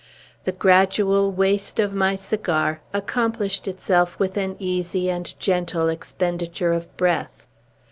The gradual waste of my cigar accomplished itself with an easy and gentle expenditure of breath.